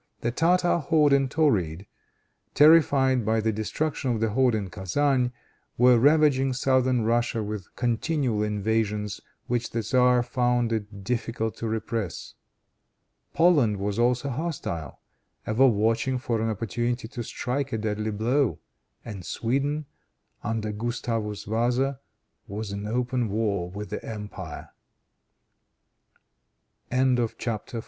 The Tartar horde in Tauride terrified by the destruction of the horde in Kezan, were ravaging southern Russia with continual invasions which the tzar found it difficult to repress. Poland was also hostile, ever watching for an opportunity to strike a deadly blow, and Sweden, under Gustavus Vasa, was in open war with the empire. CHAPTER XV. THE ABDICATION OF IVAN IV.